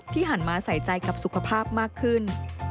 หันมาใส่ใจกับสุขภาพมากขึ้น